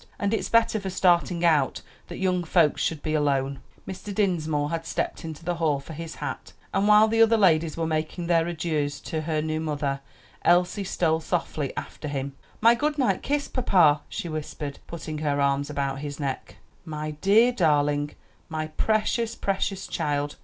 And it's better for starting out that young folks should be alone." Mr. Dinsmore had stepped into the hall for his hat, and while the other ladies were making their adieus to her new mother, Elsie stole softly after him. "My good night kiss, papa," she whispered, putting her arms about his neck. "My dear darling! my precious, precious child!